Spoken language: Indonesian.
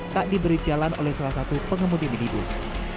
tak diberi jalan oleh salah satu pengemudi minibus